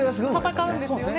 戦うんですよね。